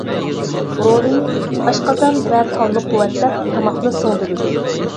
رولى: ئاشقازان ۋە تالنى قۇۋۋەتلەپ، تاماقنى سىڭدۈرىدۇ.